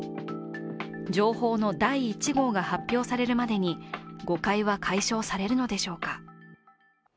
情報の第１号が発表されるまでに誤解は解消されるのでしょうか。